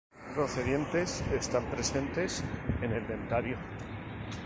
Doce dientes están presentes en el dentario.